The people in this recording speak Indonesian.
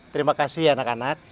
terima kasih anak anak